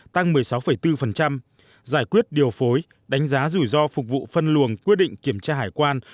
tăng một mươi sáu bốn giải quyết điều phối đánh giá rủi ro phục vụ phân luồng quyết định kiểm tra hải quan